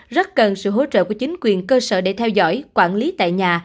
rất cần sự hỗ trợ của chính quyền cơ sở để theo dõi quản lý tại nhà